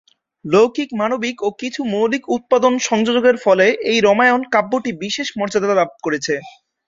লৌকিক মানবিক ও কিছু মৌলিক উপাদান সংযোগের ফলে এই রামায়ণ কাব্যটি বিশেষ মর্যাদা লাভ করেছে।